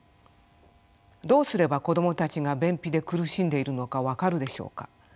どうすれば子どもたちが便秘で苦しんでいるのか分かるでしょうか。